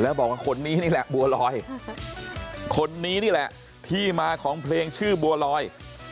แล้วบอกว่าคนนี้นี่แหละบัวลอยคนนี้นี่แหละที่มาของเพลงชื่อบัวลอย